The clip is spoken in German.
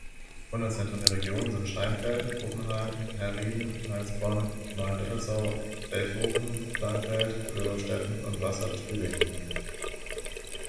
Unterzentren der Region sind Scheinfeld, Uffenheim, Herrieden, Heilsbronn, Neuendettelsau, Bechhofen, Pleinfeld, Wilburgstetten und Wassertrüdingen.